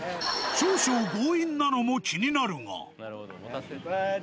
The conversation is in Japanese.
少々強引なのも気になるが。